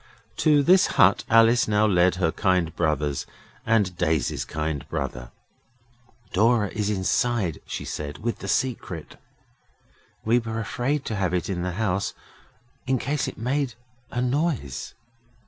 To this hut Alice now led her kind brothers and Daisy's kind brother. 'Dora is inside,' she said, 'with the Secret. We were afraid to have it in the house in case it made a noise.